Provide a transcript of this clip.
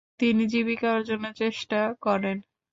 তিনি জীবিকা অর্জনের চেষ্টা করেন।